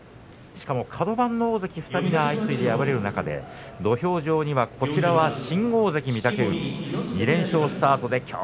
しかもカド番の大関２人が相次いで敗れる中で土俵上には新大関御嶽海２連勝スタートです。